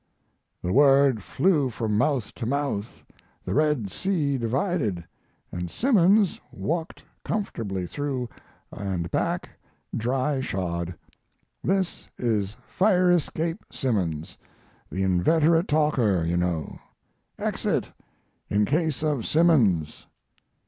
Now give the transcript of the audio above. The word flew from mouth to mouth, the Red Sea divided, & Simmons walked comfortably through & back, dry shod. This is Fire escape Simmons, the inveterate talker, you know: Exit in case of Simmons.